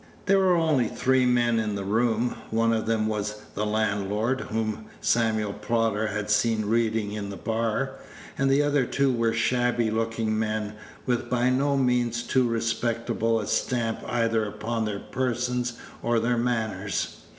There were only three men in the room. One of them was the landlord, whom Samuel Prodder had seen reading in the bar; and the other two were shabby looking men, with by no means too respectable a stamp either upon their persons or their manners.